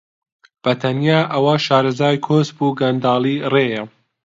بە تەنیا ئەوە شارەزای کۆسپ و کەنداڵی ڕێیە